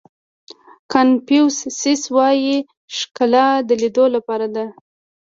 کانفیو سیس وایي ښکلا د لیدلو لپاره ده.